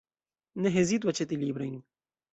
Ne hezitu aĉeti librojn!